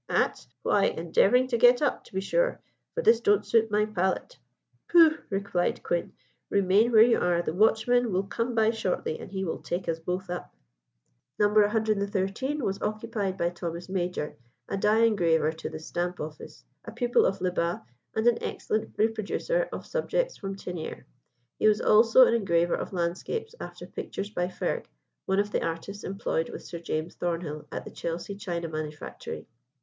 "At? why, endeavouring to get up, to be sure, for this don't suit my palate." "Pooh!" replied Quin, "remain where you are; the watchman will come by shortly, and he will take us both up!" No. 113 was occupied by Thomas Major, a die engraver to the Stamp Office, a pupil of Le Bas, and an excellent reproducer of subjects from Teniers. He was also an engraver of landscapes after pictures by Ferg, one of the artists employed with Sir James Thornhill at the Chelsea china manufactory.